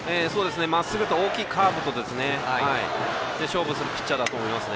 まっすぐと大きいカーブで勝負するピッチャーだと思います。